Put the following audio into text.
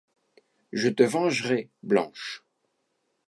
Je te vengerai, Blanche !